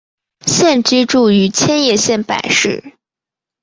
现居住于千叶县柏市。